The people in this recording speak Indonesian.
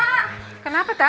siapa tau ada berita baru